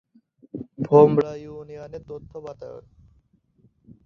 ভোমরা ইউনিয়নের তথ্য বাতায়ন